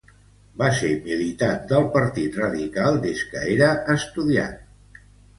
Va ser militant del Partit Radical des que era estudiant.